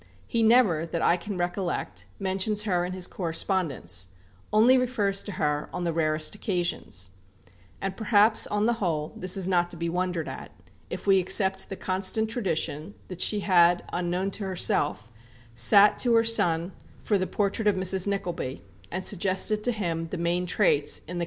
He never, that I can recollect, mentions her in his correspondence; only refers to her on the rarest occasions. And perhaps, on the whole, this is not to be wondered at, if we accept the constant tradition that she had, unknown to herself, sat to her son for the portrait of Mrs. Nickleby, and suggested to him the main traits in the character of that inconsequent and not very wise old lady.